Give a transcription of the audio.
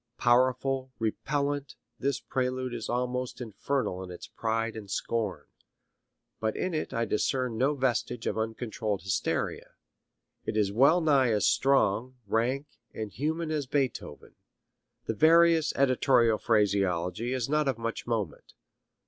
Powerful, repellant, this prelude is almost infernal in its pride and scorn. But in it I discern no vestige of uncontrolled hysteria. It is well nigh as strong, rank and human as Beethoven. The various editorial phraseology is not of much moment.